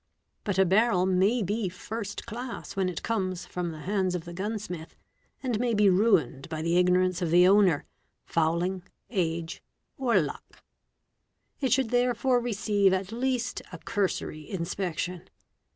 Buta barrel may be first class when it comes from the hands of the gunsmith, and may be ruined by the ignorance of the owner, fouling, 'age, or luck. It should therefore receive at least a cursory inspection.